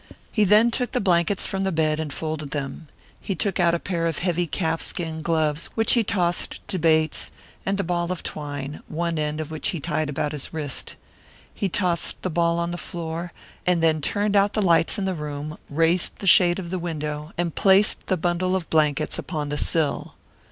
He then took the blankets from the bed and folded them. He took out a pair of heavy calfskin gloves, which he tossed to Bates, and a ball of twine, one end of which he tied about his wrist. He tossed the ball on the floor, and then turned out the lights in the room, raised the shade of the window, and placed the bundle of blankets upon the sill.